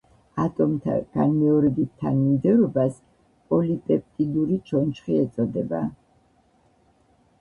ატომთა განმეორებით თანმიმდევრობას, პოლიპეპტიდური ჩონჩხი ეწოდება.